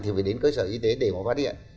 thì phải đến cơ sở y tế để mà phát hiện